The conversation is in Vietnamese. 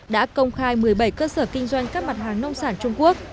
đã công khai một mươi bảy cơ sở kinh doanh các mặt hàng nông sản trung quốc